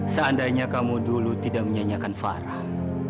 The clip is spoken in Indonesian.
seandainya kamu dulu tidak menyanyikan farah